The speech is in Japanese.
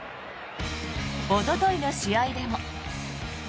おとといの試合でも。